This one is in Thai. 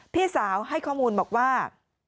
พี่สาวให้ข้อมูลบอกว่า